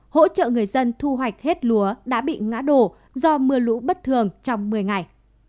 hỗ trợ người dân thu hoạch hết lúa đã bị ngã đổ do mưa lũ bất thường trong một mươi ngày